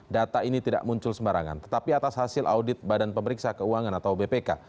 data ini tidak muncul sembarangan tetapi atas hasil audit badan pemeriksa keuangan atau bpk